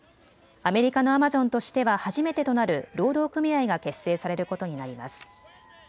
アメリカのアマゾンとしては初めてとなる労働組合が結成されることになります。